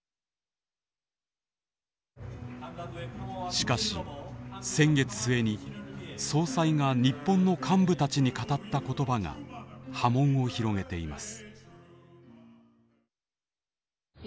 しかし先月末に総裁が日本の幹部たちに語った言葉が波紋を広げています。